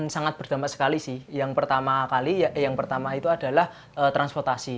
sangat berdampak sekali sih yang pertama itu adalah transportasi